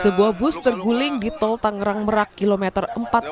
sebuah bus terguling di tol tangerang merak kilometer empat puluh